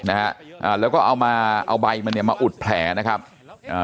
นะฮะอ่าแล้วก็เอามาเอาใบมันเนี่ยมาอุดแผลนะครับอ่า